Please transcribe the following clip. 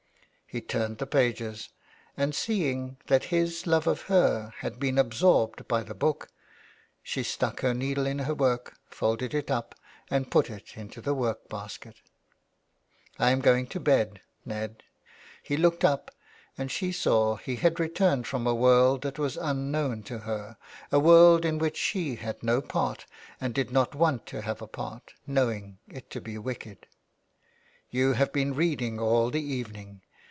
He turned the pages, and seeing that his love of her had been absorbed by the book, she stuck her needle in her work, folded it up, and put it into the work basket. 353 THE WILD GOOSK. " I am going to bed, Ned," He looked up, and she saw he had returned from a world that was un known to her, a world in which she had no part, and did not want to have a part, knowing it to be wicked. " You have been reading all the evening.